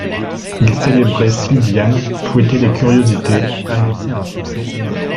Il célébrait Silviane, fouettait les curiosités, annonçait un succès énorme.